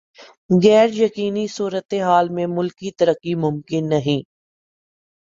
غیر یقینی صورتحال میں ملکی ترقی ممکن نہیں۔